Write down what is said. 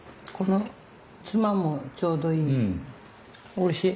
おいしい。